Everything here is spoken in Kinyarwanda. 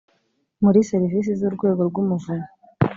muri serivisi z urwego rw umuvunyi